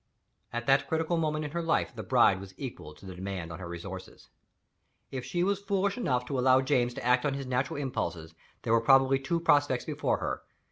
At that critical moment in her life the bride was equal to the demand on her resources. If she was foolish enough to allow James to act on his natural impulses, there were probably two prospects before her.